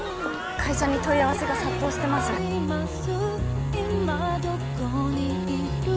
会社に問い合わせが殺到してます